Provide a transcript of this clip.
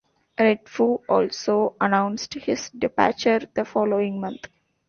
Redfoo also announced his departure the following month.